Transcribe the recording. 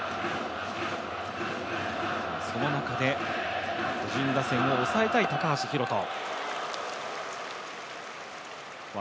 その中で、巨人打線を抑えたい高橋宏斗。